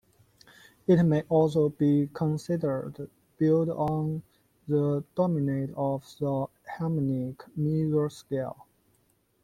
It may also be considered built on the dominant of the harmonic minor scale.